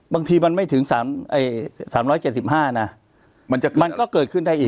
บางทีมันไม่ถึง๓๗๕นะมันก็เกิดขึ้นได้อีก